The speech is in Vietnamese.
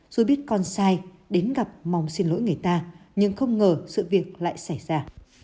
dù biết con sai đến gặp mong xin lỗi người ta nhưng không ngờ sự việc lại xảy ra